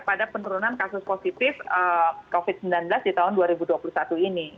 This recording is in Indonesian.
pada penurunan kasus positif covid sembilan belas di tahun dua ribu dua puluh satu ini